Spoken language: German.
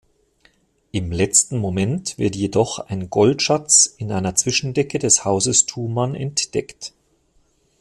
Im letzten Moment wird jedoch ein Goldschatz in einer Zwischendecke des Hauses Thumann entdeckt.